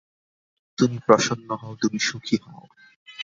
তুমি প্রসন্ন হও, তুমি সুখী হও।